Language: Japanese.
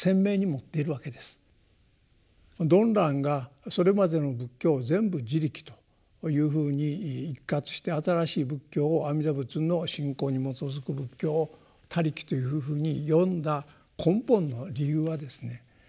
曇鸞がそれまでの仏教を全部「自力」というふうに一括して新しい仏教を阿弥陀仏の信仰に基づく仏教を「他力」というふうに呼んだ根本の理由はですね